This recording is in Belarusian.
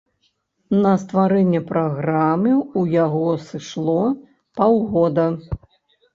На стварэнне праграмы ў яго сышло паўгода.